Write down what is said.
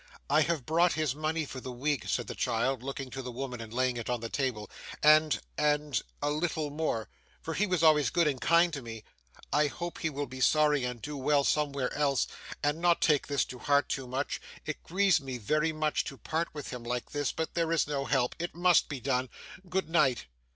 'I have brought his money for the week,' said the child, looking to the woman and laying it on the table 'and and a little more, for he was always good and kind to me. I hope he will be sorry and do well somewhere else and not take this to heart too much. It grieves me very much to part with him like this, but there is no help. It must be done. Good night!